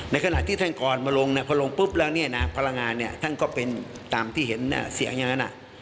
ในขณะที่ท่านกรมาลงพอลงปุ๊บแล้วเนี่ยนะพลังงานเนี่ยท่านก็เป็นตามที่เห็นเสียงอย่างนั้น